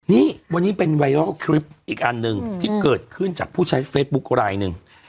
นี่วันนี้เป็นไวรัลคลิปอีกอันหนึ่งที่เกิดขึ้นจากผู้ใช้เฟซบุ๊คลายหนึ่ง